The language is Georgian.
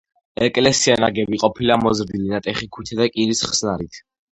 ეკლესია ნაგები ყოფილა მოზრდილი ნატეხი ქვითა და კირის ხსნარით.